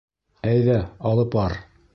Әйҙә, алып бар.